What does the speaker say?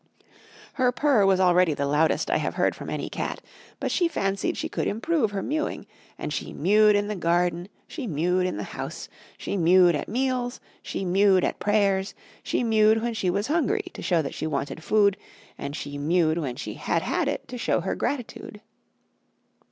Her purr was already the loudest I have heard from any cat, but she fancied she could improve her mewing; and she mewed in the garden, she mewed in the house, she mewed at meals, she mewed at prayers, she mewed when she was hungry to show that she wanted food, and she mewed when she had had it to show her gratitude.